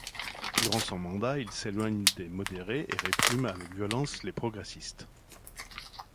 Durant son mandat il s'éloigne des modérés et réprime avec violence les progressistes.